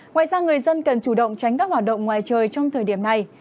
ngoài ra người dân cần chủ động tránh các hoạt động ngoài trời trong thời điểm này